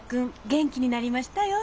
元気になりましたよ